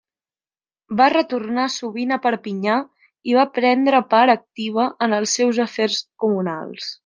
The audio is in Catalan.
Va retornar sovint a Perpinyà i va prendre part activa en els seus afers comunals.